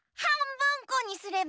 ぶんこにすれば？